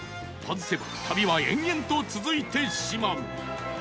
外せば旅は延々と続いてしまう